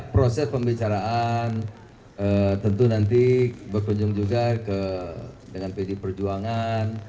proses pembicaraan tentu nanti berkunjung juga dengan pd perjuangan